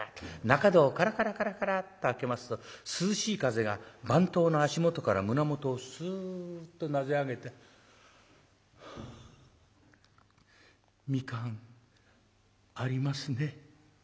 中戸をガラガラガラガラッと開けますと涼しい風が番頭の足元から胸元をスッとなであげて「はあ。蜜柑ありますね」。